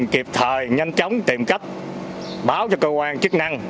kịp thời nhanh chóng tiềm cấp báo cho cơ quan chức năng